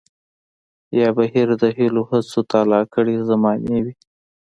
يا بهير د هيلو هڅو تالا کړے زمانې وي